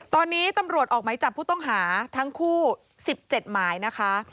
ตอนนี้ตำรวจออกไหมจับผู้ต้องหาทั้งคู่๑๗หมายนะคะ